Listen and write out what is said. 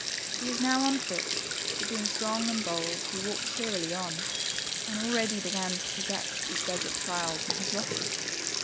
He was now on foot, but being strong* and bold, he walked cheerily on, and already began to forget his desert trials and his losses.